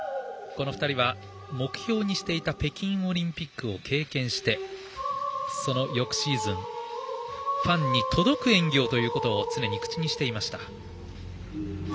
この２人は目標にしていた北京オリンピックを経験してその翌シーズンファンに届くような演技をと常に口にしていました。